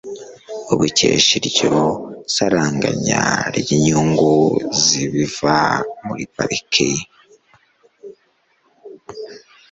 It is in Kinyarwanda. ubikesha iryo saranganya ry'inyungu z'ibiva muri pariki.